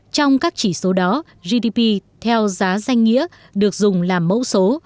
trong các chỉ số đó gdp theo giá danh nghĩa được dùng làm mẫu số